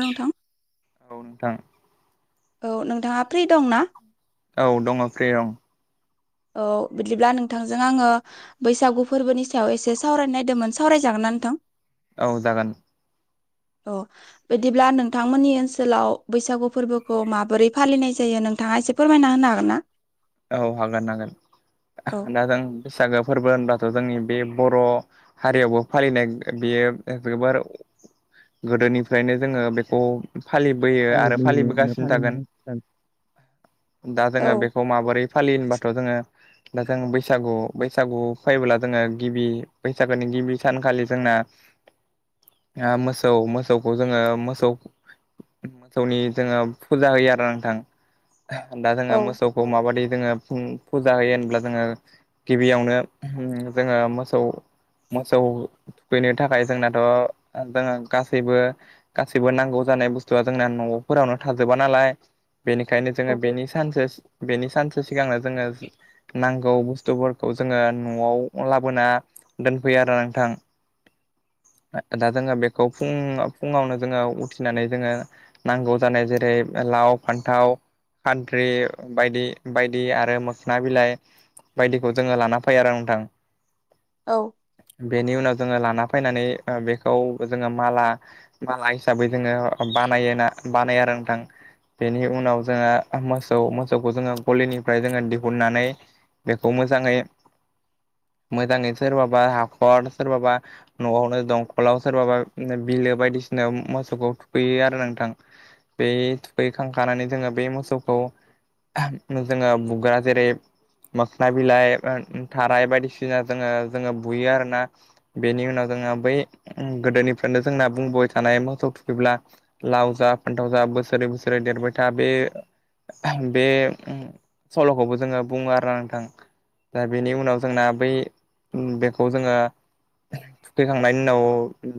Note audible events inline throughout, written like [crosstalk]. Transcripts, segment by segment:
नोंथां। औ नोंथां। औ नोंथाङा फ्रि दं ना? औ दङ आं फ्रि औ। औ बिदिब्ला नोंथांजों आङो बैसागु फोरबोनि सायाव एसे सावराय नागिरदोंमोन, सावराय जागोनना नोंथां? औ जागोन। अ बिदिब्ला नोंथांमोननि ओनसोलाव बैसागु फोरबोखौ माबोरै फालिनाय जायो नों थाङा एसे फोरमायना होनो हागोन ना? औ हागोन हागोन। औ दा जों बैसागो फोरबो होनबाथ' जोंनि बे बर' हारियावबो फालिनाय बेयो जोबोर गोदोनिफ्रायनो जोङो बेखौ फालिबोयो आरो फालिबोयो आरो फालिबोगासिनो थागोन। फालिबोदों नोंथां। दा औ जोङो बेखौ माबो रै फालियो होनबाथ' जोङो दा जों बैसागु बैसागु फैबोब्ला जोङो गिबि बैसागोनि गिबि सानखालि जों ना मोसौ मोसौखौ जोङो मोसौ मोसौनि जोङो फुजा होयो आरो नोंथां दा जोङो औ मोसौखौ माबादि जोङो फुं फुजा होयो होनब्ला जोङो गिबियावनो जोङो मोसौ मोसौ थुखैनो थाखाय जोंनाथ' जों गासैबो गासैबो नांगौ जा नाय बुस्थुआ जोंना न'फोरावनो थाजोबा नालाय बेनिखायनो जोङो बेनि औ सानसे बेनि सानसे सिगांनो जोङो नां गौ बुस्थुफोरखौ जोङो न'आव लाबोना दोनफैयो आरो नोंथां। [inaudible] दा जोङो बेखौ फुं-फुङावनो जोङो उथिनानै जोङो नांगौ जानाय जेरै लाव, फान्थाव, खान्थ्रि बायदि बायदि आरो मोखोना बिलाइ बायदिखौ जोङो लाना फैयो आरो नोंथां। औ बेनि उनाव जोङो लाना फैनानै ओ बेखौ जोङो माला माला हिसाबै जोङो बा नायोना बानायो आरो नोंथां। बेनि उनाव जोङो मोसौ मोसौखौ जोङो गलिनिफ्राय जोङो दिहुननानै बेखौ मोजाङै [inaudible] मोजाङै सोरबाबा हाखर सोरबाबा न'आवनो दंखलाव सोरबाबा बिलो बायदि सिनायाव मासौखौ थुखैयो आरो नोंथां। बे थुखैखांखानानै जोङो बे मोसौखौ जोङो बुग्रा जेरै मोखोना बिलाइ ओ थाराय बायदिसिना जोङो जोङो बुयो आरोना। बेनि उनाव जों बै गोदोनिफ्रायनो जोंना बुंबोबाय थानाय मोसौ थुखैब्ला लाव जा फानथाव जा बोसोरै बोसोरै देरबाय था बे बे सल'खौबो जोङो बुङो आरोना नोंथां। दा बेनि उनाव जोंना बै बेखौ जोङो थुखैखांनायनि उनाव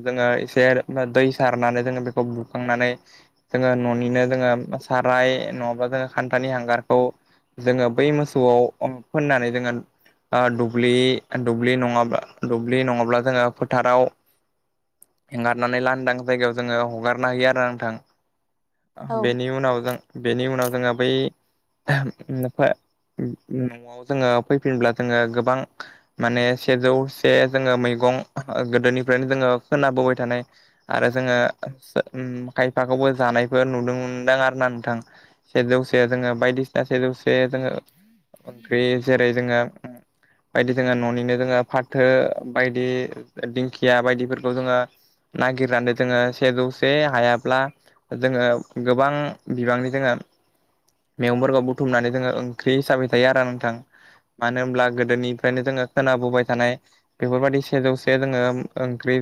जोङो एसे दै सारनानै जोङो बेखौ बुखांनानै जोङो न'निनो जोङो साराय नङाबा जोङो खान्थानि हांगार खौ जोङो बै मोसौआव फोननानै जोङो ओ दुब्लि दुब्लि नङाब्ला दुब्लि नङाब्ला जोङो फोथाराव एंगारनानै लांदां जायगायाव जोङो हगारना होयो आरो नोंथां। औ बेनि उनाव जों बेनि उनाव जोङो बै न'आव जोङो फैफिनब्ला जोङो गोबां माने सेजौ से जोङो मैगं गोदोनिफ्रायनो जोङो खोनाबोबाय थानाय आरो जोङो उम खायफाखौ जानायफोर नुनो मोनदों आरो ना नोंथां सेजौ से जोङो बायदि सेजौ से जोङो ओंख्रि जेरै जोङो बायदि जोङो न'निनो जोङो फाथो बायदि दिंखिया बायदिफोरखौ जोङो नागिरनानै जोङो सेजौ से हायाब्ला जोङो गोबां बिबांनि जोङो मैगंफोरखौ बुथुमनानै जोङो ओंख्रि हिसाबै जायो आरो नोंथां। मानो होमब्ला गोदोनिफ्रायनो जोङो खोनाबोबाय थानाय बेफोरबायदि सेजौसे जोङो ओंख्रि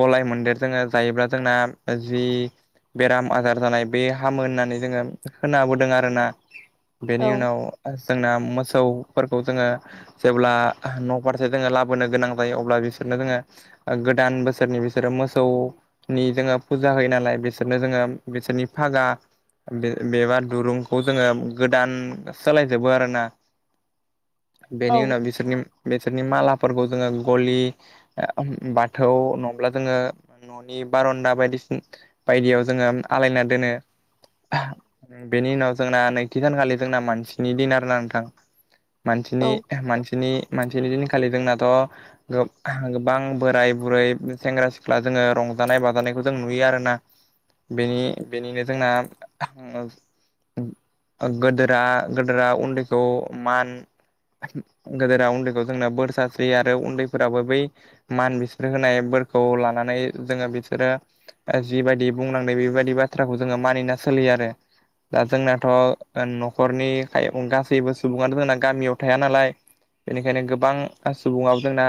गलाय मोनदेर जोङो जायोब्ला जोंना जि बेराम आजार जानाय बे हामो होननानै जोङो खोनाबोदों आरो बेनि उनाव जोंना मोसा [inaudible] जोङो जेब्ला न' फारसे जोङो लाबोनो गोनां जायो अब्ला बिसोरनो जोङो गोदान दान बोसोरनि बिसोरो मोसौनि जोङो फुजा होयो नालाय बिसोरनो जोङो बिसोरनि फागा बे बेबा दुरुंखौ जोङो गोदान सोलायजोबो आरोना बेनि औ उनाव बिसोरनि बिसोरनि माला जोङो गलि बाथौ नङाबोला जोङो न'नि बारनदा बायदि बायदियाव जोङो आलायना दोनो बेनि उनाव जोंना नैथि सानखालि जोंना मानसिनि दिन आर ना नोंथां मानसिनि औ मानसिनि बिनि दिनखालि जोंनाथ गोबां बोराय बुरै सेंग्रा सिख्ला जोङो रंजानाय बाजानायखौ जों नुयो आरोना बेनि बेनिनो जोंना गोदोरा गोदोरा उन्दैखौ मान गोदोरा उन्दैखौ जोंना बोर सास्रि आरो उन्दैफोराबो बै मान बिस्रि होनाय बै फोरखौ लानानै जोङो बिसोरो जिबायदि बुंलांदों बेबायदि बाथ्राखौ जोङो मानिना सोलि फैयो आरो दा जोंनाथ' न'खरनि गासैबो सुबुङाथ जोंना गामियाव थाया नालाय बेनिखायनो गोबां सुबुङाबो जोंना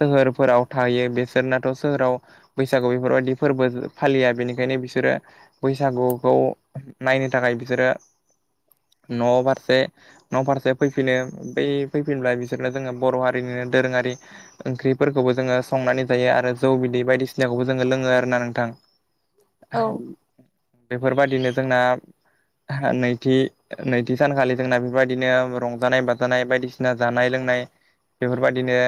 सोहोरफोराव थायो बिसोरनाथ' सोहोराव बैसागु बेफोरबायदि फोरबो फालिया बेनिखायनो बिसोरो बैसागुखौ नायनो थाखाय बिसोरो न' फारसे न' फारसे फैफिनो बै फैफिनब्ला बिसोरनो जोङो बर' हारिनि दोरोङारि ओंख्रिफोरखौबो जोङो संनानै जायो आरो जौ बिदै बायदिसिनाखौबो जोङो लोङो आरो ना नोंथां। औ बेफोरबादिनो जोंना [inaudible] नैथि नैथि सानखालि जोंना बेफोरबायदिनो रंजानाय बाजानाय बायदिसिना जानाय लोंनाय बेफोरबायदिनो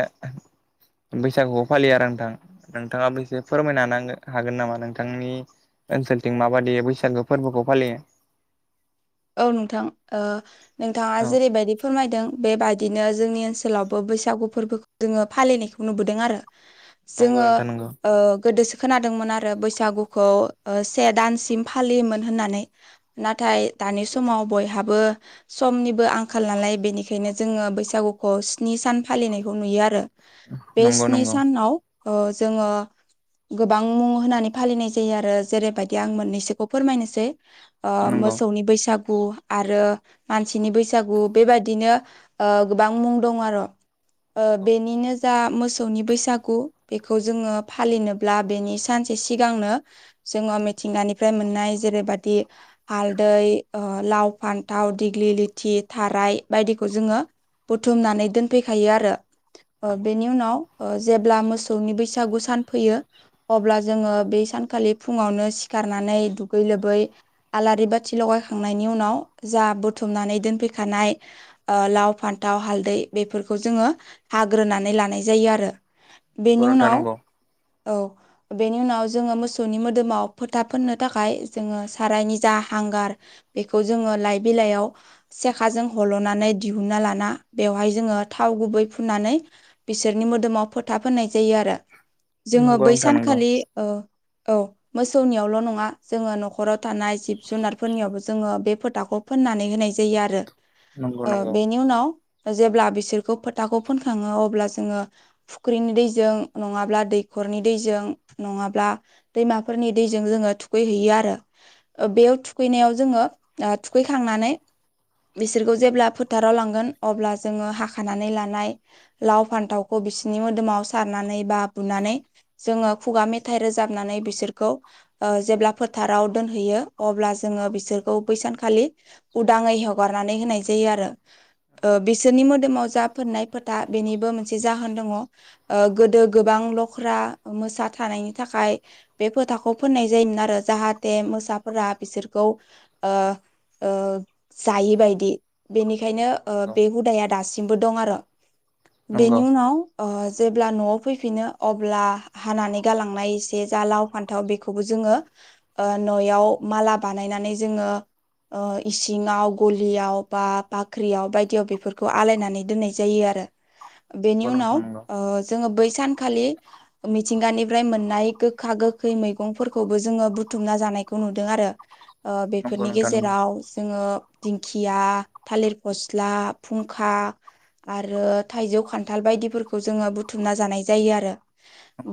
बैसागुखौ फालियो आरो नोंथां नोंथाङाबो एसे फोरमायनो हागोन नामा नोंथांनि ओनसोलथिं माबादि बैसागो फोरबोखौ फालियो? औ नोंथां ओ नोंथाङा औ जेरैबायदि फोरमायदों बेबायदिनो जोंनि ओनसोल ओनसोलावबो बैसागु फोरबोखौ जोङो फालिनायखौ नुबोदों आरो नंगौ जोङो नोंथां नंगौ ओ गोदोसो खोनादोंमोन आरो बैसागुखौ से दानसिम फालियोमोन होननानै नाथाय दानि समाव बयहाबो समनिबो आंखाल नालाय बेनिखायनो जोङो बैसागुखौ स्नि सान फालिनायखौ नुयो आरो बे नंगौ स्नि नंगौ सानाव ओ जोङो गोबां मुं होनानै फालिनाय जायो आरो जेरैबायदि आं मोननैसोखौ फोरमायनोसै ओ नंगौ मोस बैसागु आरो मानसिनि बैसागु बेबादिनो ओ गोबां मुं दं आरो बेनिनो जा मोसौनि बैसागु बेखौ जोङो फालिनोब्ला बेनि सानसे सिगांनो जोङो मिथिंगानिफ्राय मोननाय जेरैबादि आल दै लाव फान्थाव दिग्लि लिथि थाराय बायदिखौ जोङो बुथुमनानै दोनफैखायो आरो नंगौ नंगौ बेनि उनाव जेब्ला मोसौनि बैसागु सान फैयो अब्ला जोङो बे सानखालि फुङावनो सिखा सिखारनानै दुगै लोबै आलारि बाथि थि लगायखांनायनि उनाव जा बुथुमनानै दोनफैखानाय लाव फान्थाव हालदै बेफोरखौ जोङो हाग्रोनानै लानाय जायो आरो नंगौ नंगौ बेनि नोंथां उनाव नंगौ औ बेनि उनाव जोङो मोसौनि मोदोमाव फोथा फोननो थाखाय जोङो साराय नि जा हांगार बेखौ जोङो लाइ बिलाइयाव सेखाजों हल'नानै दिहुना लाना बेयाव बहाय जोङो थाव गुबै फुननानै बिसोरनि मोदोमाव फोथा फोननाय जायो आरो। जोङो नंगौ बै नोंथां नंगौ सानखालि ओ औ मोसौनियावल' नङा जोङो न'खराव थानाय जिब जुनारफोरनियावबो जोङो बे फोथाखौ फोननानै होनाय जायो आरो ओ बेनि उनाव जेब्ला बिसोरखौ फोथाखौ फोनखाङो अब्ला जोङो फुख्रिनि दैजों नङाब्ला दैख' खरनि दैजों नङाब्ला दैमाफोरनि दैजों जोङो थुखै हैैयो आरो। ओ बेयाव थुखैनायाव जोङो ओ थुखैखांनानै बिसोरखौ जेब्ला फोथाराव लांगोन अब्ला जोङो हाखानानै लानाय लाव फान्थावखौ बिसोरनि मोदोमाव सारनानै बा बुनानै जोङो खुगा मेथाइ रोजाबनानै बिसोरखौ ओ जेब्ला फोथाराव दोनहैयो अब्ला जोङो बिसोरखौ बैसानखालि उदाङै हेवगारनानै होनाय जायो आरो। ओ बिसोरनि मोदोमाव जा फोननाय फोथा बेनिबो मोनसे जाहोन दङ। ओ गोदो गोबां लख्रा मोसा थानायनि थाखाय बे फोथाखौ फोननाय जायो आरो जाहाथे मोसा फोरा बिसोरखौ ओ ओ जायैबायदि बेनि खायनो ओ बे हुदाया दासिमबो दं आरो बेनि उनाव ओ जेब्ला न'आव फैफिनो अब्ला हानानै गालांनाय एसे जा लाव फान्थाव बेखौबो जोङो ओ न'याव माला बानायनानै जोङो ओ इसिङाव गलियाव बा बाख्रियाव बायदियाव बेफोरखौ आलायनानै दोननाय जायो आरो। बेनि उनाव ओ जोङो बैस सानखालि मिथिंगानिफ्राय मोननाय गोखा गोखै मैगंफोरखौबो जोङो बुथुमना जानायखौ नु दों आरो ओ नंगौ बेफोरनि गेजेराव जोङो दिंखिया थालिर फस्ला फुंखा आरो थाइजौ खान्थाल बायदिफोरखौ जोङो बुथुमना जानाय जायो आरो।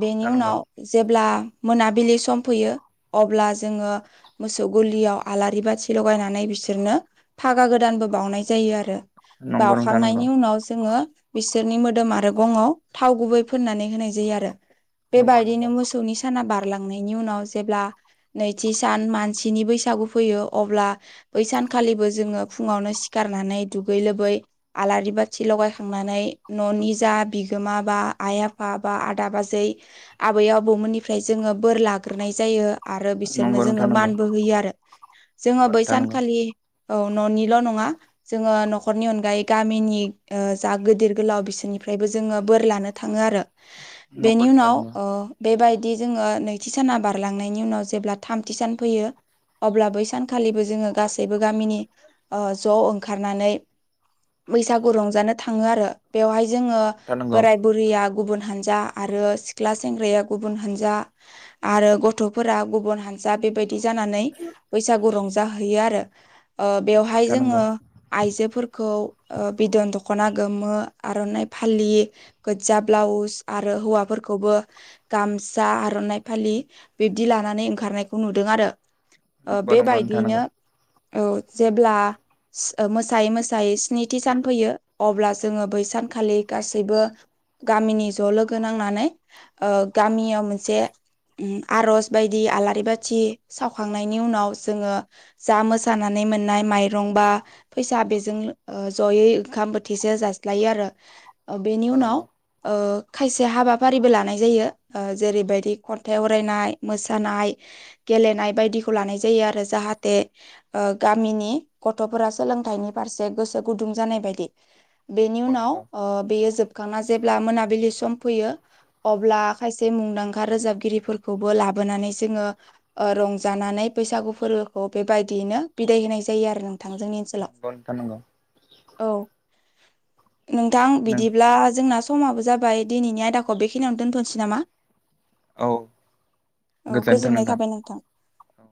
बेनि नंगौ उनाव जेब्ला मोनाबिलि सम फैयो अब्ला जोङो मोसौ गलियाव आलारि बाथि लगायनानै बिसोरनो फागा गोदानबो बावनाय जायो आरो। नोंथां नंगौ नोंथां नंगौ नोंथां नंगौ नोंथां नंगौ बावखांनायनि उनाव जोङो बिसोरनि मोदोम आरो गंआव थाव गुबै फोननानै होनाय जायो आरो। नंगौ बेबायदिनो नंगौ मोसौनि साना बारलांनायनि उनाव जेब्ला नैथि सान मानसिनि बैसागु फैयो अब्ला बै सानखालिबो जोङो फुङावनो सिखारनानै दुग गै लोबै आलारि बाथि लगायखांनानै न'नि जा बिगोमा बा आइ आफा बा आदा बाजै आबै आबौमोननिफ्राय जोङो बोर लाग्रोनाय जायो आरो सोरनो नंगौ जोङो नोंथां नंगौ मानबो होयो आरो जोङो नंगौ बै नोंथां नंगौ सानखालि औ न'निल' नङा जोङो न'खरनि अनगायै गामिनि जा गोदोर गोलाव बिसोरनि ओमफ्रायबो जोङो बोर लानो थाङो आरो। नंगौ बेनि नोंथां उनाव ओ बेबायदि जोङो नैथि साना बारलांनायनि उनाव जेब्ला थामथि सान फैयो अब्ला बै सानखालिबो जोङो गासैबो गामिनि ओ ज' ओंखारनानै बैसागु रंजानो थाङो आरो बेवहाय जोङो नंगौ बोराइ बुरैया गुबुन हान्जा आरो सिख्ला सेंग्राया गुबुन हान्जा आरो गथ'फोरा गुबन हान जा बेबायदि जानानै बैसागु रंजाहैयो आरो। ओ नंगौ बेवहाय नोंथां नंगौ जोङो आइजोफोरखौ ओ बिद'न दख'ना गोमो आर'नाइ फालि गोदजा ब्लाउस आरो हौवाफोरखौबो गामसा आ आर'नाइ फालि बिब्दि लानानै ओंखारनायखौ नुदों आरो। ओ नंगौ नोंथां बेबायदियैनो औ जेब्ला [unintelligible] मोसायै मोसायै स्निथि सान फैयो अब्ला जोङो बै सानखालि गासैबो गामिनि ज' लोगो नांनानै ओ गामियाव मोनसे उम आर'ज बायदि आलारि बा थि सावखांनायनि उनाव जोङो जा मोसानानै मोननाय माइरं बा फैसा बेजों ओ जयै ओंखाम बोथिसे जास्लायो आरो। ओ बेनि उनाव नंगौ ओ खायसे हाबाफारिबो लानाय जायो ओ जेरैबायदि खन्थाइ आवरायनाय मोसानाय गेलेनाय बायदिखौ लानाय जायो आरो जाहाथे ओ गामिनि गथ'फोरा सोलोंथाइनि बा फारसे गोसो गुदुं जानाय बायदि बेनि नंगौ उनाव नंगौ नोंथां नंगौ बेयो ओ जोब मोखांना जेब्ला मोनाबिलि सम फैयो अब्ला खायसे मुंदांखा रोजाबगिरिफोरखौबो लाबो बोनानै जोङो ओ रंजानानै बैसागु फोरबोखौ बेबायदियैनो बिदाय होनाय जायो आरो नो थां जोंनि ओनसोलाव नंगौ नंगौ नोंथां नंगौ औ। नोंथां नों बिदिब्ला जोंना समाबो जाबाय दिनैनि आयदाखौ बेखिनियावनो दोनथ'नोसै नामा? औ औ गोजोन्थों गोजोननाय नोंथां। थाबाय औ